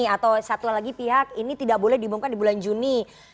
atau satu lagi pihak ini tidak boleh diumumkan di bulan juni